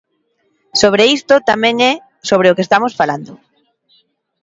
Sobre isto tamén é sobre o que estamos falando.